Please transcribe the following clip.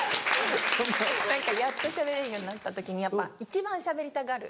やっとしゃべれるようになった時やっぱ一番しゃべりたがる。